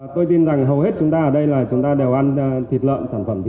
tôi tin rằng hầu hết chúng ta ở đây là chúng ta đều ăn thịt lợn